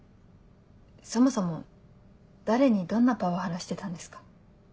そもそも誰にどんなパワハラしてたんですか？